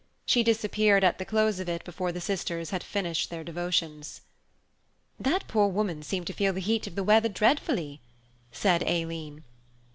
She disappeared at the close of it before the sisters had finished their devotions. "That poor woman seemed to feel the heat of the weather dreadfully," said Aileen.